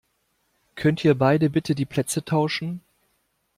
Könnt ihr beide bitte die Plätze tauschen?